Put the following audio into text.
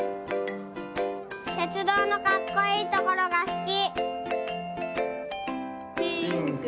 鉄道のかっこいいところがすき。